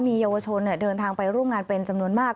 มีเยาวชนเดินทางไปร่วมงานเป็นจำนวนมาก